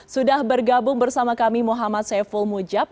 sudah bergabung bersama kami muhammad saiful mujab